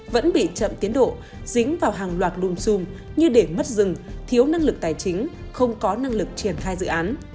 vẫn bị chậm tiến độ dính vào hàng loạt đùm xùm như để mất rừng thiếu năng lực tài chính không có năng lực triển khai dự án